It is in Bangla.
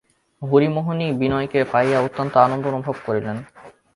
হরিমোহিনী বিনয়কে পাইয়া অত্যন্ত আনন্দ অনুভব করিলেন।